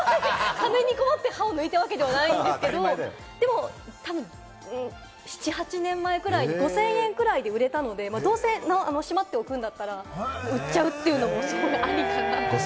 金に困って歯を抜いたことはないですけれども、たぶん７８年くらい前で５０００円くらいで売れたので、どうせしまっておくんだったら売っちゃうというのもありかなと。